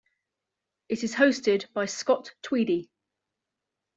It is hosted by Scott Tweedie.